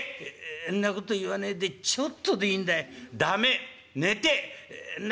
「んなこと言わねえでちょっとでいんだい」。